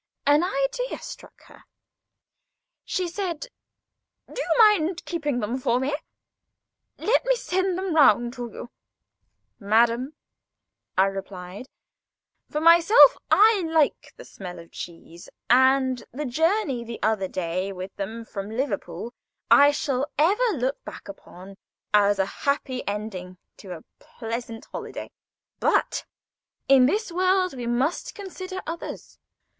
An idea struck her. She said: "Do you mind keeping them for him? Let me send them round to you." "Madam," I replied, "for myself I like the smell of cheese, and the journey the other day with them from Liverpool I shall ever look back upon as a happy ending to a pleasant holiday. But, in this world, we must consider others.